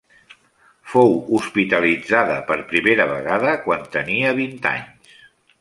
Fou hospitalitzada per primera vegada quan tenia vint anys.